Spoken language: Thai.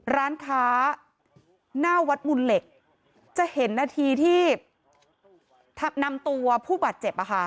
ร้านค้าหน้าวัดมุนเหล็กจะเห็นนาทีที่นำตัวผู้บาดเจ็บ